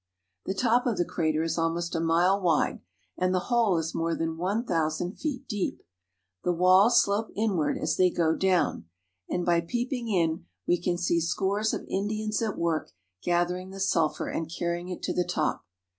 The top of the crater is almost a mile wide, and the hole is more than one thousand feet deep. The walls slope inward as they go down, and by peeping in we can see scores of Indians at work gathering the sulphur and carrying it to the top.